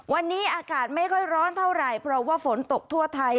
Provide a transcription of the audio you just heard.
วันนี้อากาศไม่ค่อยร้อนเท่าไหร่เพราะว่าฝนตกทั่วไทย